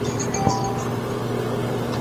که پښتو قوي وي، نو کلتوري غرور به پراخه سي.